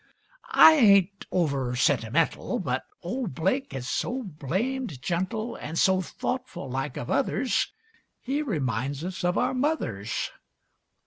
I ain't over sentimental, But old Blake is so blamed gentle An' so thoughtful like of others He reminds us of our mothers.